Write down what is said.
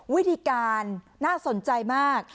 วิธีการน่าสนใจมาก